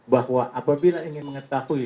bahwa apabila ingin mengetahui